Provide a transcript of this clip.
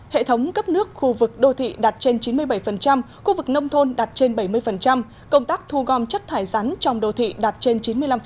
hệ thống cấp nước khu vực đô thị đạt trên chín mươi bảy khu vực nông thôn đạt trên bảy mươi công tác thu gom chất thải rắn trong đô thị đạt trên chín mươi năm